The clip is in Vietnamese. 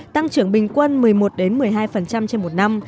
tăng trưởng bình quân một mươi một một mươi hai trên một năm